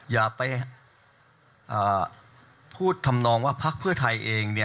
อย่าไปพูดธรรมนองว่าภาคเพื่อไทยเอง